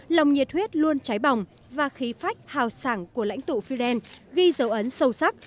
lòng nhiệt huyết luôn cháy bỏng và khí phách hào sảng của lãnh tụ fidel ghi dấu ấn sâu sắc